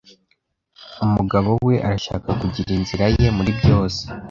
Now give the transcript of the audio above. Umugabo we arashaka kugira inzira ye muri byose.